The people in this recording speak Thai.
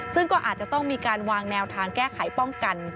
ซึ่งก็อาจจะต้องมีการวางแนวทางแก้ไขป้องกัน